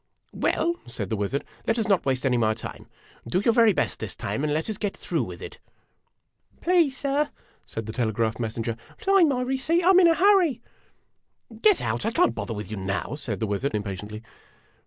"Well," said the wizard, "let us not waste any more time. Do your very best this time, and let us get through with it !" "Please, sir," said the telegraph messenger, "sign my receipt; I 'm in a hurry." " Get out ! I can't bother with you now !" said the wizard, im patiently.